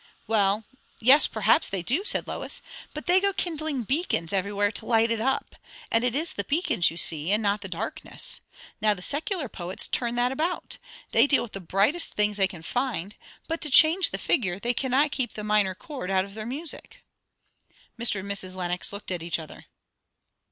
"Well yes, perhaps they do," said Lois; "but they go kindling beacons everywhere to light it up; and it is the beacons you see, and not the darkness. Now the secular poets turn that about. They deal with the brightest things they can find; but, to change the figure, they cannot keep the minor chord out of their music." Mr. and Mrs. Lenox looked at each other.